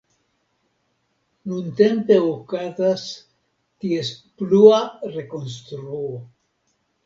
Nuntempe okazas ties plua rekonstruo.